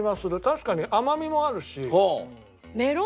確かに甘みもあるし。